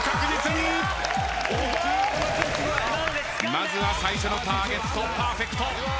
まずは最初のターゲットパーフェクト。